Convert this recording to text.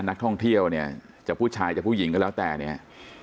นักท่องเที่ยวเนี่ยจะผู้ชายจะผู้หญิงก็แล้วแต่เนี่ย